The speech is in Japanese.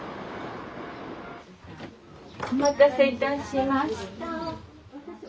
お待たせいたしました。